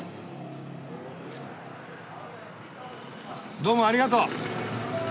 どうもありがとう。